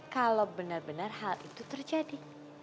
kalau benar benar hal itu terjadi